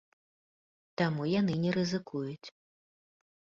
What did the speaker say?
Таму яны не рызыкуюць.